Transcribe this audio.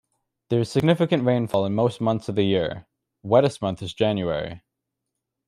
There is significant rainfall in most months of the year, wettest month is January.